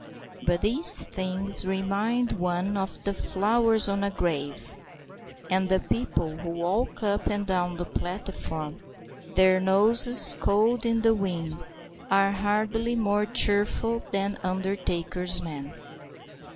But these things remind one of the flowers on a grave. And the people who walk up and down the platform, their noses cold in the wind, are hardly more cheerful than undertakers' men.